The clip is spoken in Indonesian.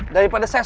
daripada saya strok